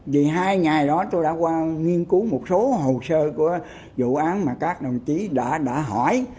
vì hai ngày đó tôi đã qua nghiên cứu một số hồ sơ của vụ án mà các đồng chí đã hỏi